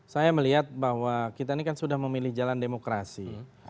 saya melihat bahwa kita ini kan sudah memilih jalan demokrasi